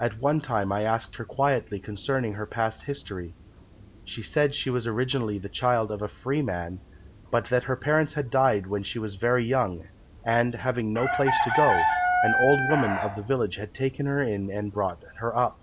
At one time I asked her quietly concerning her past history. She said she was originally the child of a free man, but that her parents had died when she was very young, and, having no place to go to, an old woman of the village had taken her in and brought her up.